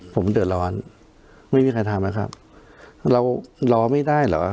ผมเดือดร้อนไม่มีใครทำนะครับเรารอไม่ได้เหรอ